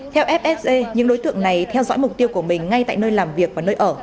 theo fse những đối tượng này theo dõi mục tiêu của mình ngay tại nơi làm việc và nơi ở